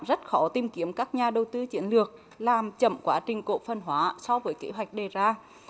rất khó tìm kiếm các nhà đầu tư chiến lược làm chậm quá trình cổ phân hóa so với kế hoạch đề ra